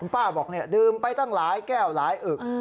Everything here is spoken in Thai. ป้าการบอกเนี่ยดื่มป้ายตั้งหลายแก้วหลายอึด